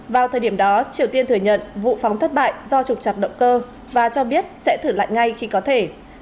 vào thời điểm đó triều tiên thừa nhận vụ phóng thất bại do trục trặc động cơ và cho biết sẽ thử lại ngay khi có thể